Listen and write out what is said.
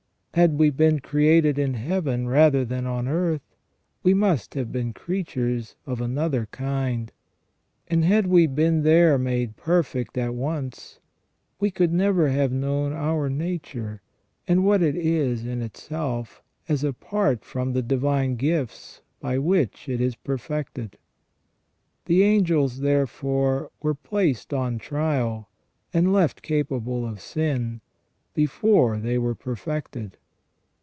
Had we been created in Heaven rather than on earth, we must have been creatures of another kind. And had we been there made perfect 2 78 M^HY MAN WAS NOT CREATED PERFECT. at once, we could never have known our nature, and what it is in itself, as apart from the divine gifts by which it is perfected. The angels, therefore, were placed on trial and left capable of sin, before they were perfected.